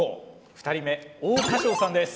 ２人目王佳祥さんです。